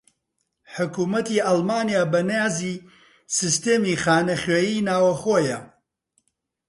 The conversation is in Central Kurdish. حوکمەتی ئەڵمانیا بەنیازی سیستەمی خانە خوێی ناوەخۆییە